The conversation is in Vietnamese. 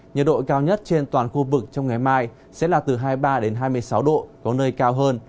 nhiệt độ cao nhất trên toàn khu vực trong ngày mai sẽ là từ hai mươi ba hai mươi sáu độ có nơi cao hơn